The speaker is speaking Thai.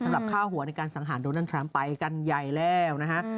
สำหรับค่าหัวในการสังหารโดนัลดทรัมป์ไปกันใหญ่แล้วนะฮะ